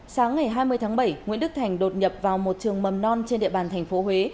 sáng ngày hai mươi tháng bảy nguyễn đức thành đột nhập vào một trường mầm non trên địa bàn tp huế